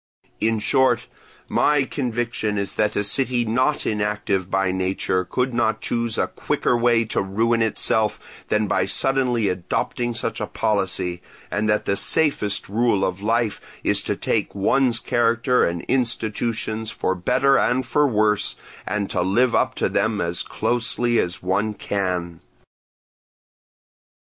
In short, my conviction is that a city not inactive by nature could not choose a quicker way to ruin itself than by suddenly adopting such a policy, and that the safest rule of life is to take one's character and institutions for better and for worse, and to live up to them as closely as one can."